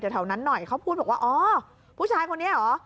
แถวนั้นหน่อยเขาพูดบอกว่าอ๋อผู้ชายคนนี้เหรอ